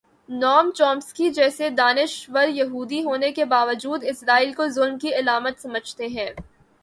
نوم چومسکی جیسے دانش وریہودی ہونے کے باوجود اسرائیل کو ظلم کی علامت سمجھتے ہیں۔